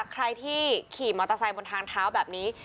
ใครที่ขี่มอเตอร์ไซค์บนทางเท้าแบบนี้